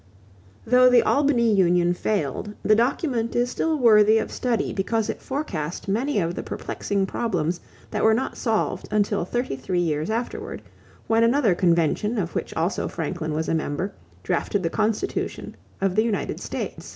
Though the Albany union failed, the document is still worthy of study because it forecast many of the perplexing problems that were not solved until thirty three years afterward, when another convention of which also Franklin was a member drafted the Constitution of the United States.